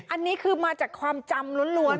อันนี้คือมาจากความจำล้วน